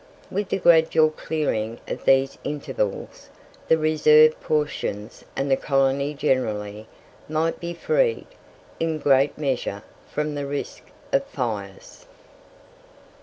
With the gradual clearing of these intervals, the reserved portions, and the colony generally, might be freed, in great measure, from the risk of fires.